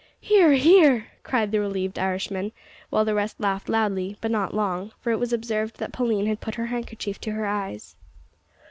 "Hear, hear!" cried the relieved Irishman, while the rest laughed loudly but not long, for it was observed that Pauline had put her handkerchief to her eyes.